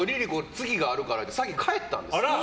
次があるからって先帰ったんですよ。